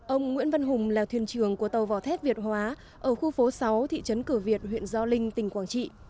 ông nguyễn văn hùng là thuyền trường của tàu vỏ thép việt hóa ở khu phố sáu thị trấn cửa việt huyện gio linh tỉnh quảng trị